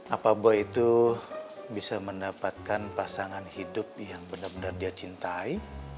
apa boy itu bisa mendapatkan pasangan hidup yang benar benar dia cintai